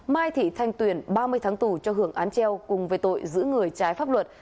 mai thị thanh tuyền ba mươi tháng tù cho hưởng án treo cùng về tội giữ người trái pháp luật